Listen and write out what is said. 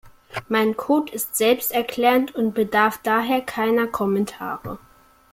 Mein Code ist selbsterklärend und bedarf daher keiner Kommentare.